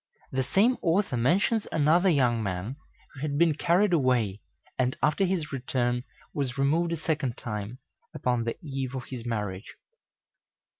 The same author mentions another young man who had been carried away, and after his return was removed a second time, upon the eve of his marriage.